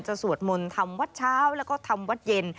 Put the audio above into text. สวดมนต์ทำวัดเช้าแล้วก็ทำวัดเย็น